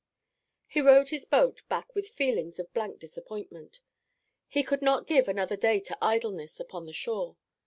He rowed his boat back with feelings of blank disappointment. He could not give another day to idleness upon the shore.